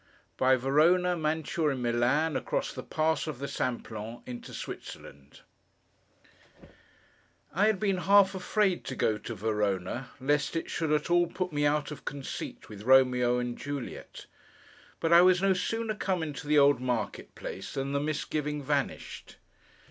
BY VERONA, MANTUA, AND MILAN, ACROSS THE PASS OF THE SIMPLON INTO SWITZERLAND I HAD been half afraid to go to Verona, lest it should at all put me out of conceit with Romeo and Juliet. But, I was no sooner come into the old market place, than the misgiving vanished.